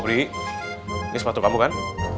ini sepatu kamu kan